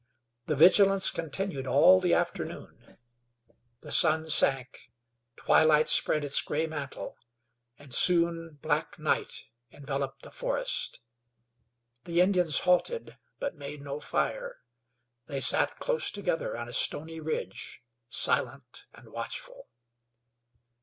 This vigilance continued all the afternoon. The sun sank; twilight spread its gray mantle, and soon black night enveloped the forest. The Indians halted, but made no fire; they sat close together on a stony ridge, silent and watchful.